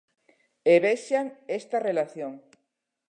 E vexan esta relación.